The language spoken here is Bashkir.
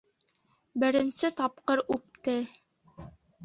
Беренсе тапҡыр үпте.